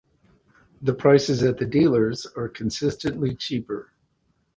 The prices at the dealers are consistently cheaper.